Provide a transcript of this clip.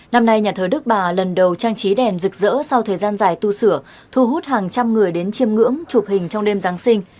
năm nay nhà thờ đức bà lần đầu trang trí đèn rực rỡ sau thời gian dài tu sửa thu hút hàng trăm người đến chiêm ngưỡng chụp hình trong đêm giáng sinh